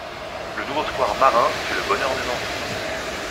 Le nouveau square marin fait le bonheur des enfants.